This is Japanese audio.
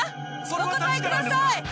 お答えください！